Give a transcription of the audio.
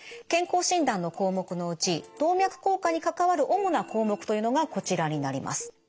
健康診断の項目のうち動脈硬化に関わる主な項目というのがこちらになります。